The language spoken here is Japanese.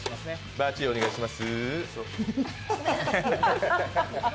ばーちー、お願いしますー。